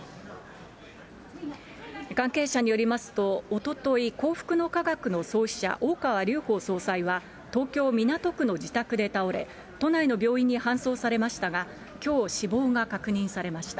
関係者によりますと、おととい幸福の科学の創始者、大川隆法総裁は東京・港区の自宅で倒れ、都内の病院に搬送されましたが、きょう死亡が確認されました。